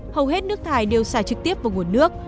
hầu hết nước thải đều xả trực tiếp vào nguồn nước